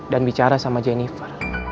dan bicara sama jennifer